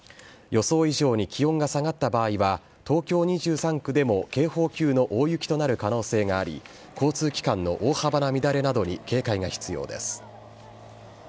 予想以上に気温が下がった場合は、東京２３区でも警報級の大雪となる可能性があり、交通機関の大幅な乱れなどに警戒が必要です。